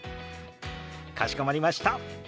かしこまりました。